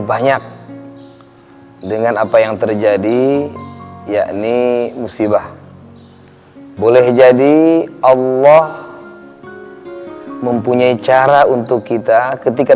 banyak dengan apa yang terjadi yakni musibah boleh jadi allah mempunyai cara untuk kita ketika